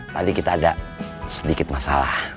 tadi kita agak sedikit masalah